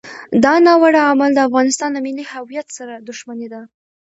دا ناوړه عمل د افغانستان له ملي هویت سره دښمني ده.